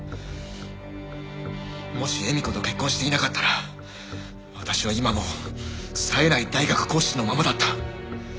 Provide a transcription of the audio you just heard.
もし絵美子と結婚していなかったら私は今も冴えない大学講師のままだった。